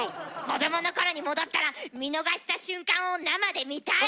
子どもの頃に戻ったら見逃した瞬間を生で見たい！